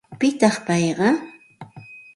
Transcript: ¿Pitaq payqa?